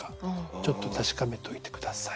ちょっと確かめといて下さい。